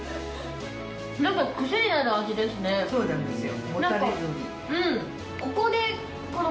そうなんですよ。